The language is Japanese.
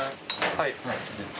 はい。